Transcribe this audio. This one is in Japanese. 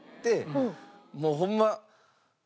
もうホンマ。